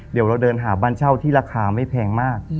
เดี๋ยวเราเดินหาบ้านเช่าที่ราคาไม่แพงมาก